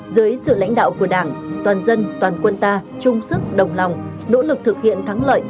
dưới sự lãnh đạo của đảng toàn dân toàn quân ta chung sức đồng lòng nỗ lực thực hiện thắng lợi